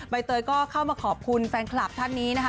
เตยก็เข้ามาขอบคุณแฟนคลับท่านนี้นะคะ